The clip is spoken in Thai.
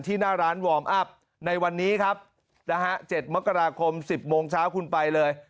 หน้าร้านวอร์มอัพในวันนี้ครับนะฮะ๗มกราคม๑๐โมงเช้าคุณไปเลย